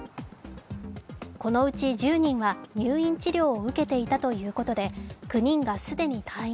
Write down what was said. このうち１０人は入院治療を受けていたということで９人が既に退院。